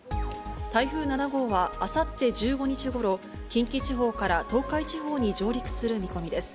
台風７号はあさって１５日ごろ、近畿地方から東海地方に上陸する見込みです。